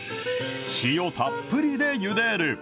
塩たっぷりでゆでる。